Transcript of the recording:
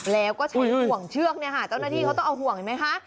แล้วก็ใช้ห่วงเชือกเนี่ยค่ะเจ้าหน้าที่เขาต้องเอาห่วงเห็นไหมคะ